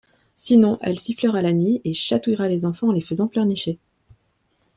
Sinon, elle sifflera la nuit et chatouillera les enfants en les faisant pleurnicher.